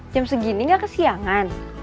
jam segini gak kesiangan